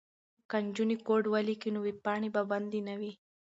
که نجونې کوډ ولیکي نو ویبپاڼې به بندې نه وي.